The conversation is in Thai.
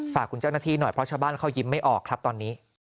ฝากคุณเจ้าหน้าที่หน่อยเพราะชาวบ้านเขายิ้มไม่ออกครับตอนนี้